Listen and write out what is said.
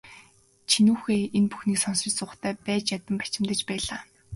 Чинүүхэй энэ бүхнийг сонсож суухдаа байж ядан бачимдаж байлаа.